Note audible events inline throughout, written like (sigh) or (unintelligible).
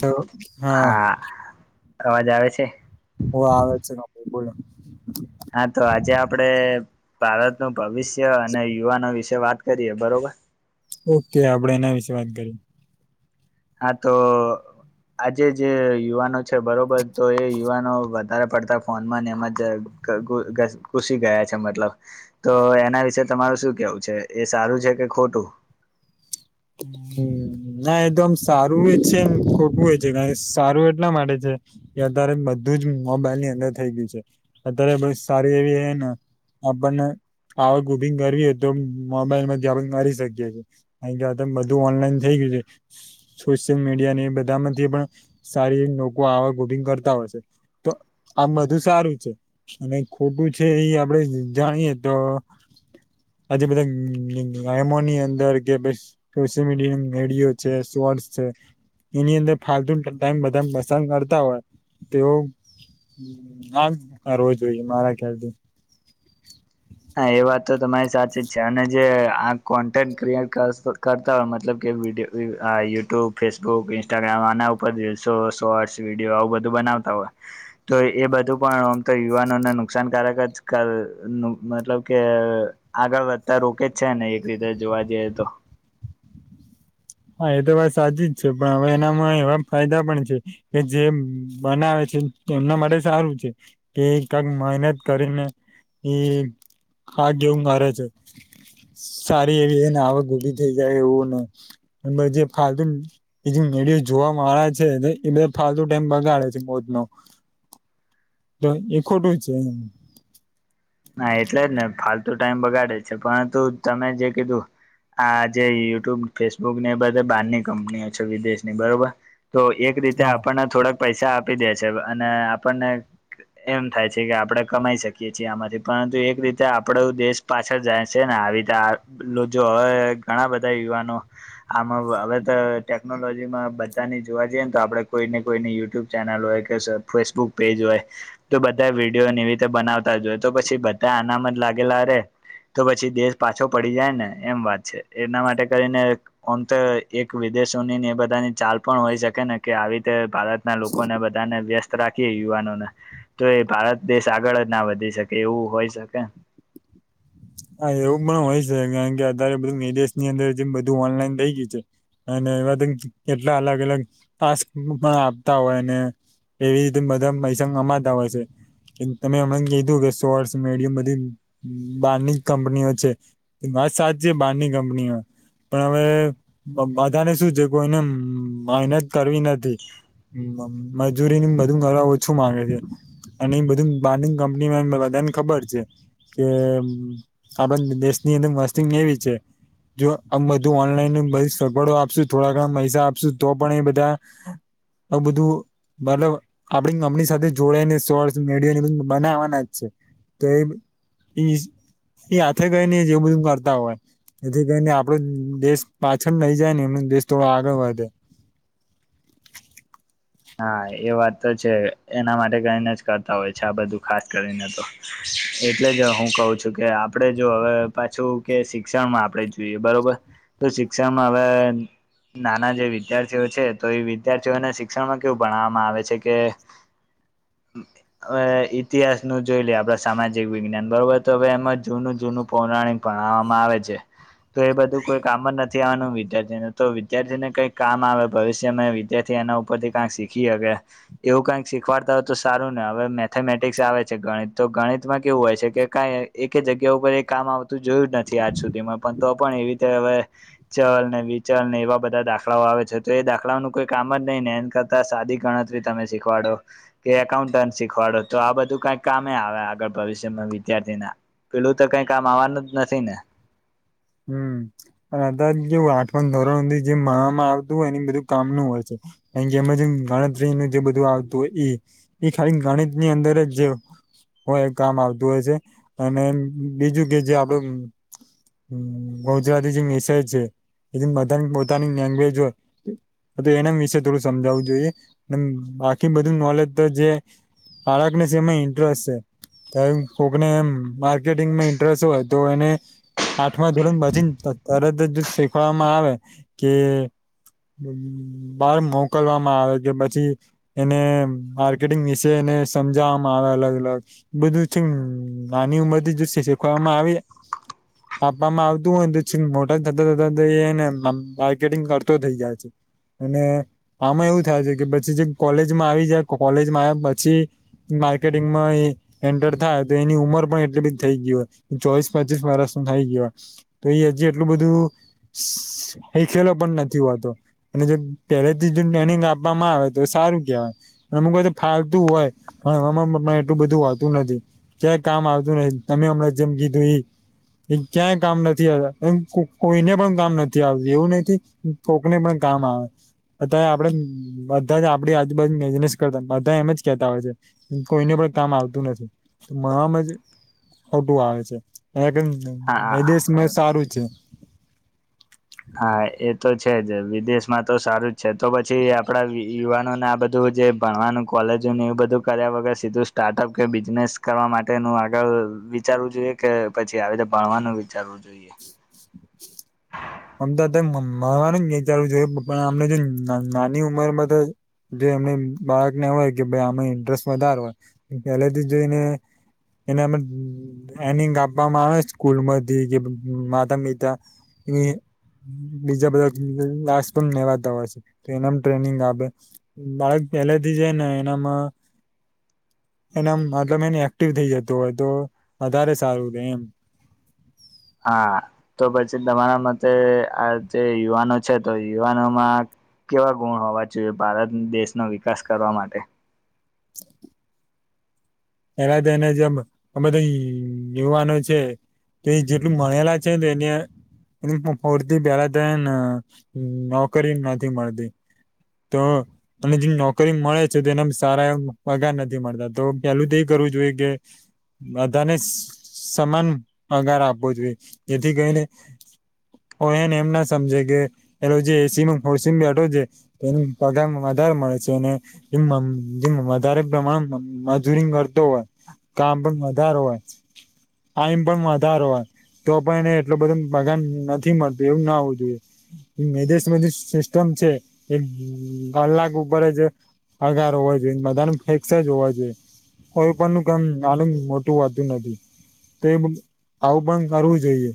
તો હા અવાજ આવે છે. હો આવે છે ન ભ બોલો હા તો આજે આપડે ભારતનું ભવિષ્ય અને યુવાનો વિશે વાત કરીએ બરોબર ઓકે આપડે એના વિશેે વાત કરીએ હા તો આજે જે યુવાનો છે બરોબર તો એ યુવાનો વધારે પડતા ફોનમાંને એમજ ઘુસી ગયા છે મતલબ તો એના વિશે તમારું શું કેવું છે એ સારું છે કે ખોટું (inaudible) ના એ તો આમ સારું છે એમ ખોટવું છે સારું એટલા માટે છે- એ અત્યારે બધું જ મોબાઈલ ની અંદર થઈ ગયું છે. અત્યારે બ સારી એવી એ ને આપણને આવક ઉભીંગ કરવી હો તો મોબાઈલ માંથી આપ કરી શકીએ છીએ. બધું ઓનલાઈન થઈ ગયું છે સોશિયલ મીડિયા ને બધા માંથી પણ સારી લોકો આવા ગોબિંગ કરતા હોય છે તો આમ બધું સારું છે. અને ખોટું છે એ આપડે જાણીએ તો આજે બધા એમોની અંદર કેસ સોશિયલ મીડિયા મેેડિયો છે શોર્ટ્સ છે એની અંદર ફતુ ટાઈમ બધા પસંગ કરતા હોય તેઓ- આમ રો જોઈએ મારા ખ્યાલથી- હા એ વાત તો તમારી સાથે જ છે અને જે આ કોન્ટેન્ટ ક્રિએટ કરતા હોય મતલબ કે વિડીયો યુટ્યુબ ફેસબુક ઇન્સ્ટાગ્રામ આના ઉપર રીલ્સો શોર્ટ્સ વિડીયો આવું બધું બનાવતા હોય. તો એ બધું પણ આમ તો યુવાનોને નુકસાનકારક જ મતલબ કે આગળ વધતા રોકે જ છે ને એક રીતે જોવા જઈએ તો હા એ તો વાત સાચી જ છે પણ હવે એનામાં એવા ફાયદા પણ છે. કે જે બનાવે છે એમના માટે સારું છે. કે કક મહેનત કરીને એ આગ જેવું મારે છે. સારી એવી એને આવક ઉભી થઈ જાય એવું ને જે ફતુને એજ મેડિયો જોવા મળળા છે ને એ બે ફતુ ટાઈમ બગાડે છે મોજ નો તો એ ખોટું છે. ના એટલે જ ને ફાલતુ ટાઈમ બગાડે છે પરંતુ તમે જે કીધું. આજે યુટ્યુબ ફેસબુક ને એ બધ બહારની કંપનીઓ છે વિદેશની બરોબર. તો એક રીતે હા આપણને થોડાક. પૈસા આપી દે છે અને આપણને એમ થાય છે કે આપણે કમાઈ શકીએ છીએ આમાંથી પરંતુ એક રીતે આપડ દેશ પાછળ જાય છે ને આવી રીતે આ જો હવે ઘણા બધા યુવાનો. આમાં હવે તો ટેકનોલોજીમાં બધાની જોવા જઈએ ને તો આપડે કોઈ ને કોઈની યુટ્યુબ ચેનલ હોય કે ફેસબુક પેજ હોય તો બધા વિડીયો નિમિત્તે બનાવતા જ હોય. તો પછી બધા આનામ જ લાગેલા રે. તો પછી દેશ પાછો પડી જાય ને એમ વાત છે એના માટે કરીને આમ તો એક વિદેશોની ને એ બધાની ચાલ પણ હોય શકે ને કે આવી રીતે ભારત ના લોકોને બધાને વ્યસ્ત રાખીએ યુવાનોને તો એ ભારત દેશ આગળ જ ના વધી શકે. કે એવું હોય શકે. હા એવું પણ હોય છે કારણ કે અતારે બધું મે દેશની અંદર જે બધું ઓનલાઈન થઈ ગયું છે. અને એવાધ કેટલા અલગ અલગ ટાસ્ક પણ આપતા હોયને પેવી તુંબદ મૈસંગ અ તઉ હશે તમે હમણાં કીધું કે સોર્શ મીડિ બધી બહાર ની કંપનીઓ છે માત સાચ છે બહાર ની કંપનીઓ પણ હવે બધને શું છે કોઈને મહેનત કરવી નથી. હ મજૂરીનું બધ ઘર ઓછું મામાંગે છે. અને એ બધું બાડિંગ કંપનીમાં બધાને ખબર છે કે આપ દેશ ની અંદર મસ્તી એવી છે. જો આમ બધું ઓનલાઈન બ સગવડો આપશું થોડા ઘણા પૈસા આપશું તો પણ એ બધા આ બધું મતલબ આપડી મમની સાથે જોડ ને સોર્ મેડ બનાવાના જ છે. તો એઝ એઈ હાથે ગઈને જેવું બધું કરતા હોય. એથી કરીને આપડો દેશ પાછળ નહી જાય ને એમ દેશ થોડો આગળ વધે. હા એ વાત તો છે એના માટે કઈને જ કરતા હોય છે આ બધું ખાસ કરીને તો. એટલે જ હું કહું છું કે આપણે જો હવે પાછું કે શિક્ષણમાં આપણે જોઈએ બરોબર. તો શિક્ષણમાં હવે નાના જે વિદ્યાર્થીઓ છે તો એ વિદ્યાર્થીઓને. શિક્ષણમાં કેવું ભણવામાં આવે છે કે. ઇતિહાસ નું જોઈ લેએ આપડ સામાજિક વિજ્ઞાન બરોબર તો હવે એમાં જૂનું જૂનું પૌરાણિક. પણવામાં આવે છે. તો એ બધું કોઈ કામ જ નથી આવવાનું વિદ્યાર્થીને તો વિદ્યાર્થી ને કઈક કામ આવે ભવિષ્યમાં વિદ્યાર્થી એના. પ્રધિકાક્ષ શીખીએ કે. એવું કંઈક શીખવાડતા હોય તો સારું ને હવે મેથેમેટિક્સ આવે છે ગણિત તો ગણિતમાં કેવું હોય છે કે કાંઈ. એક જગ્યા ઉપર એ કામ આવતું જોયું જ નથી આજ સુધીમાં પણ તો પણ એવી રીતે હવે. ચલ ને વિચલ ને એવા બધા દાખલાઓ આવે છે તો એ દાખલાઓનું કોઈ કામ જ. નઈને એમ કરતા સાદી ગણતરી તમે શીખવાડો. કે એકાઉન્ટન્ટ શીખવાડો તો આ બધું કઈ કમે આવે આગળ ભવિષ્યમાં વિદ્યાર્થી ના. પેલું તો કઈ કામ આવવાનું જ નથી ને. હમ અને અધા જેું આઠવાણ ધોરણધથી જે મામાં આવતું હોય એ બધું કામનું હોય છે. જેમ જે ગણતરીનું જે બધું આવતુંય ખાલી ગણતરીની અંદર જ. હોય એ કામ આવતું હોય છે અને બીજું કે જે આપડું ગુજરાતી જે મેસેજ છે એ બધાની પોતાની લેંગ્વેજ હોય. તો એના વિશે થોડું સમજાવવું જોઈએ બાકી બધું નોલેજ તો જે. બાળકને સ એમાં ઇન્ટરેસ્ટ છે. ત કોકને એ માર્કેટિંગમાં ઇન્ટરેસ્ટ હોય તો એને આઠમા ધોરણ પછીને તરત જ શીખવામાં આવે કે બહાર મોકલવામાં આવે કે પછી એને માર્કેટિંગ વિશે એને સમજાવવામાં આવે અલગ અલગ. બધું છે નાની ઉમરથી જ શીખવામાં આવે આપવામાં આવતું હોયને તો મોટા થતા થતા તો એને માર્કેટિંગ કરતો થઈ જાય છે. અને આમાં એવું થાય છે કે પછી જે કોલેજમાં આવી જાય કોલેજમાં આવ્યા પછી માર્કેટિંગ માં એન્ટર થાય તો એની ઉંમર પણ એટલી બધી થઈ ગઈ હોય ચોવીસ પચીસ વર્ષ નો થઈ ગયો હોય. તો એ હજી એટલું બધું શિખેલો પણ નથી હોતો. અને જો પહેલેથી જો ટ્રેનિંગ આપવામાં આવે તો સારું કહેવાય. અમુક માં ફાલતું હોય હવામાં એટલું બધું હોતું નથી. ક્યાં કામ આવતું નહી તમે હમણાં જેમ કીધું એ એ ક્યાંય કામ નથી આવતા એ કોઈને પણ કામ નથી આવતું એવું નથી કોકને પણ કામ આવે. અત્યારે આપડે બધા જ આપડી આજુબાજુ બિઝનેસ કરતા બધા એમજ કેતા હોય છે. કોઈને પણ કામ આવતું નથી ભણવા જે ખોટું આવે છે હા (unintelligible) એ દેશ સારું છે. હા એ તો છે જ વિદેશમાં તો સારું જ છે તો પછી આપણા યુવાનોને આ બધું જે ભણવાનું કોલેજ એવું બધું કર્યા વગર સીધું સાર્ટઅપ કે બિઝનેસ કરવા માટેનું આગળ વિચારવું જોઈએ કે પછી આવી રીતે ભણવાનું વિચારવું જોઈએ. આમ તો અત્યારે ભણવાનું જ વિચારવું જોઈએ પણ અમને જો નાની ઉંમરમાં તો જે એમને બાળકને હોય કે ભાઈ આમાં ઇન્ટરેસ્ટ વધારે હોય પહેલેથી જોઈને એને (unintelligible) ટ્રેનિંગ આપવામાં આવે સ્કૂલ માંથી કે માતા પિતા એ બીજા બધા (unintelligible) પણ લેવાતા હોય છે તો એનામ ટ્રેનિંગ આપે. બાળક પેલાથી છે ને એનામાં એને એમ મતલબ એને એક્ટિવ થઈ જતું હોય તો વધારે સારું રહેે એમ. હા તો પછી તમારા મતે આ જે યુવાનો છે તો યુવાનોમાં કેવા ગુણ હોવા જોઈએ ભારત દેશનો વિકાસ કરવા માટે? (inaudible) એલા તો એને જે આ બધા યુવાનો છે. તો જેટલું મળેલા છે ને એને એ ફૂરતી પેલા તો એ નોકરી નથી મળતી. તો અને જે નોકરી મળે છે તો એના સારા એ પગાર નથી મળતા તો પેલું તો કરવું જોઈએ કે બધાને સમાન પગાર આપવો જોઈએ જેથી કરીને ઓ એને એમ ના સમજે કે પલો જે એસી (unintelligible) એને પગારમાં વધારે મળે છે અને મ વધારે પ્રમાણ મજૂરી કરતો હોય કામ પણ વધારો હોય ટાઈમ પણ વધારો હોય. તો પણ એને એટલું બધું મગાન નથી મળતું એવું ના હોવું જોઈએ. વિદેશમાં જે સિસ્ટમ છે એ કલાક ઉપર જે પગાર હોવો જોઈએ બધાને ફેક્સ જ હોવો જોઈએ. કોઈ પણ નું કામ નાનું મોટું હોતું નથી. તો એ આવું પણ કરવું જોઈએ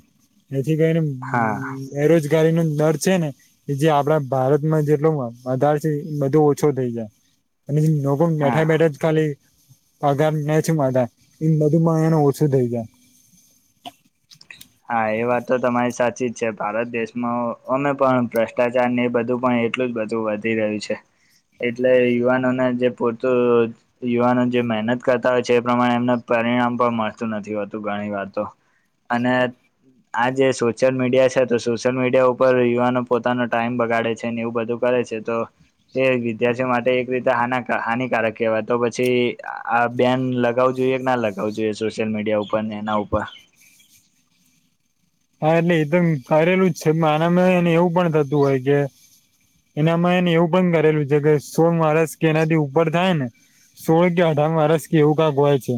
જેથી કરીને હા બેરોજગારી નો ડર છે ને. કે જે આપડા ભારતમાં જેટલો વધાર છે બધો ઓછો થઈ જાય. અને લોકો હા બેઠા બેઠા જ ખાલી પગાર મેચમાં નદીમાં હેને ઓછો થઈ જાય. હા એ વાત તો તમારી સાચી જ છે ભારત દેશમાં અમે પણ ભ્રષ્ટાચાર ને એ બધું પણ. એટલું જ બધું વધી રહ્યું છે એટલે યુવાનોને જે પરતું રોજ યુવાનો જે મહેનત કરતા હોય છે એ પ્રમાણે એમને પરિણામ પણ મળતું નથી હોતું ઘણી વાર તો. અને. આ જે સોશિયલ મીડિયા છે તો સોશિયલ મીડિયા ઉપર યુવાનો પોતાનો ટાઈમ બગાડે છે ને એવું બધું. કરે છે તો. તે વિદ્યાર્થીઓ માટે એક રીતે હના હાનિકારક કહેવાય તો પછી આ બેન. લગાવું જોઈએ કે ના લગાવું જોઈએ સોશિયલ મીડિયા ઉપર ને એના ઉપર. હા એટલે એદમ કરેલું જ છે આનામાં એને એવું પણ થતું હોય છે એનામાં એને એવું પણ કરેલું છે કે સોમવારસ કે એનાથી ઉપર થાય ને. સોળ કે અઢારમાં વર્સ કે એવું કાક હોય છે.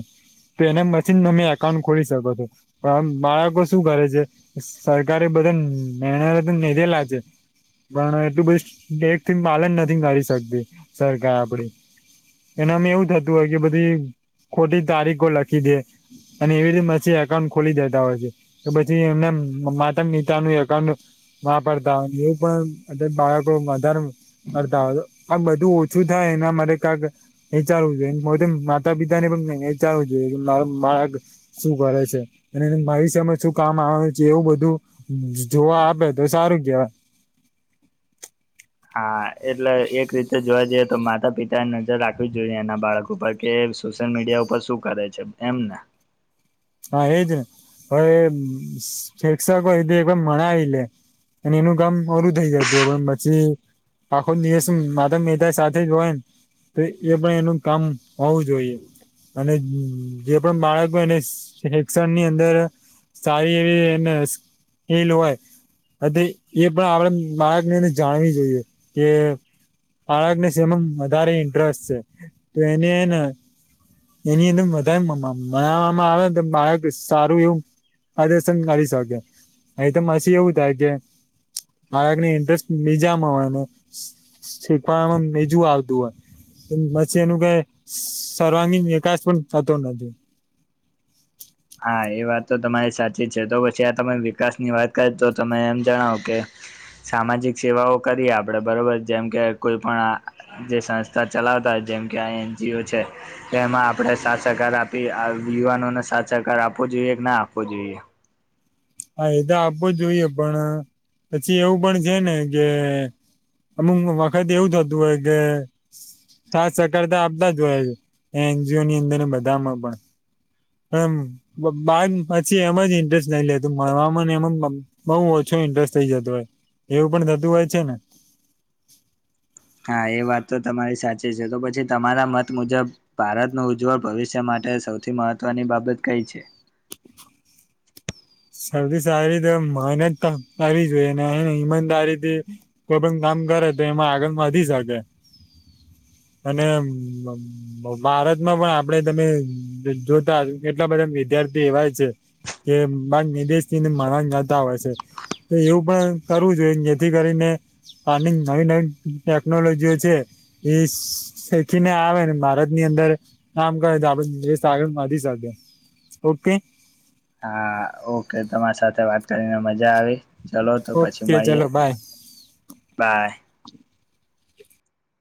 તો એના પછીન તમે એકાઉન્ટ ખોલી શકો છો પણ આમ બાળકો શું કરે છે. સરકારે બધા નિણ તો લીધેલા છે. પણ એટલું બધી એક થી પાલન નથી કરી શકતી સરકાર આપડી. એનામાં એવું થતું હોય કે બધી ખોટી તારીખો લખી દે. અને એવી રીતે મછી એકાઉન્ટ ખોલી દેતા હોય છે. તો પછી એમને મા નીતાનું એકાઉન્ટ. મા પડતા એવું પણ બાળકો મધાર. કરવા હોય છે પર બધું ઓછું થાય એના માટેરે કક. એ ચાલવું જોઈએરે માતા પિતા ને પણ ચાલવું જોઈએ મા મા. શું કરે છે એ મારી સામે શું. કામ આવે છે એવું બધું જોવા આપે તો સારું કેવાય. હા એટલે એક રીતે જોવા જઈએ તો માતા પિતા નજર રાખવી જ જોઈએ એના બાળકો. કપા કે સોશિયલ મીડિયા ઉપર શું કરે છે એમને. હા એજ ને હવે શિક્ષકો એધ એક મણાવ લે. અને એનું કામ પુરુ થઇ જતું પણ પછી. પાખો દીવસ માતા પિતા સાથે જ હોય ને. તો એ પણ એનું કામ હોવું જોઈએ. અને જે પણ બાળકો હો એને શિષણ ની અંદર સારી એ એને સ્કિલ હોય એ એ પણ આપડ બાળકને એને જાણવી જોઈએ કે બાળકને સેમા વધારે ઇન્ટરેસ્ટ છે તો એને એની વધારે મ મ મનાવામાં આવે બાળક સારું એવું પ્રર્શન કરી શકે અહી તો મછી એવું થાય કે બાળકને ઇન્ટરેસ્ટ બીજામાં હોયને શીખવડા મા બીજું આવતું હોય મ એનું કઈ સર્વાંગીણ વિકાસ પણ થતો નથી હા એ વાત તો તમારી સાચી છે તો પછી આ તમે વિકાસ ની વાત કરી તો તમે એમ જણાવો કે સામાજિક સેવાઓ કરીએ આપડે બરોબર જેમ કે કોઈ પણ જે સંસ્થા ચલાવતા જેમ કે આ એનજીઓ છે એમાં આપણે સાથ સહકાર આપીએ યુવાનોને સાથ સહકાર આપવો જોઈએ કે ના આપવો જોઈએ હા એ તો આપવો જ જોઈએ પણ પછી એવું પણ છે ને કે અમુક વખત એવું થતું હોય કે સાથ સહકારતા આપતા જ જોય છે એનજીઓ ની અંદર ને બધામાં પણ એમ બાર પછી એમાં જ ઇન્ટરેસ્ટ નઈ લેતો તો મળવાવામાં એમાં બહુ ઓછો ઇન્ટરેસ્ટ થઇ જતો હોય એવું પણ થતું હોય છે ને હા એ વાત તો તમારી સાચી છે તો પછી તમારા મત મુજબ ભારતનું ઉજ્જવળ ભવિષ્ય માટે સૌથી મહત્વની બાબત કઈ છે શરદી સારી તો મહેનત કરવી જોઈએ ઈમાનદારીથી કોઈ પણ કામ કરે તો એમાં આગળમાં વધી શકે અને ભારતમાં પણ આપડે તમે જોતા કેટલા બધા વિધ્યાર્થી એવા છે કે બાક નિદેશ થીને મરણ જતા હોય છે તો એવું પણ કરવું જોઈએ જેથી કરીને આની નવી નવી ટેકનોલોજીઓ છે દેશ શેખીને આવે ને ભારત ની અંદર કામ કરે તો આપને સાગર મા બાંધી શકે ઓકે હા ઓકે તમારી સાથે વાત કરીને મજા આવી ચલો તો પછી ઓકે મળીએે ચલો બાય બાય